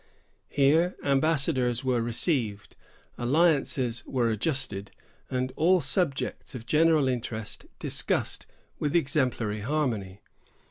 Here ambassadors were received, alliances were adjusted, and all subjects of general interest discussed with exemplary harmony.